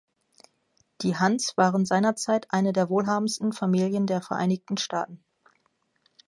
Die Hunts waren seinerzeit eine der wohlhabendsten Familien der Vereinigten Staaten.